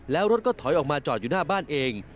แล้วรถก็ถอยออกมาจอดอยู่หน้าบ้านเอง